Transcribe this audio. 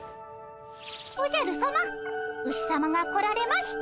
おじゃるさまウシさまが来られました。